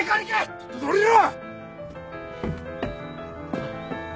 とっとと降りろ！